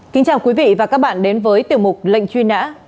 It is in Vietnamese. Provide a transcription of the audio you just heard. kính chào quý vị và các bạn đến với tiểu mục lệnh truy nã